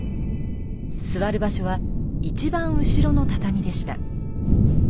座る場所は一番後ろの畳でした。